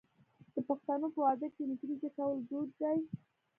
د پښتنو په واده کې نکریزې کول دود دی.